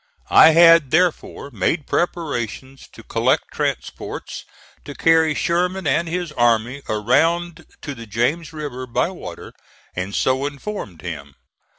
I had, therefore, made preparations to collect transports to carry Sherman and his army around to the James River by water, and so informed him.